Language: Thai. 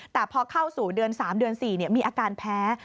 แต่พอเข้าสู่เดือน๓เดือน๔มีอาการแพ้